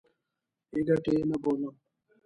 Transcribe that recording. بې ګټې نه بولم.